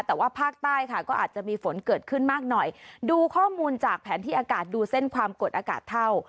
แต่ว่าภาคใต้ค่ะก็อาจจะมีฝนเกิดขึ้นมากหน่อยดูข้อมูลจากแผนที่อากาศดูเส้นความกดอากาศเท่า